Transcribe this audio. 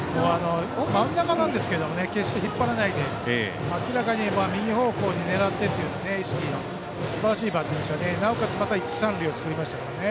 真ん中なんですけど決して引っ張らないで明らかに右方向に狙ってという意識のすばらしいバッティングでしたね。